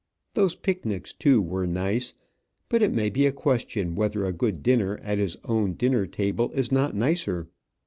Those picnics too were nice; but it may be a question whether a good dinner at his own dinner table is not nicer.